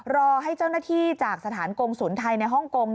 รอให้เจ้าหน้าที่จากสถานกงศูนย์ไทยในฮ่องกง